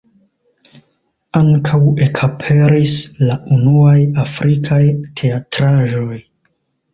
Ankaŭ ekaperis la unuaj afrikaj teatraĵoj.